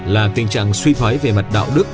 là tình trạng suy thoái về mặt đạo đức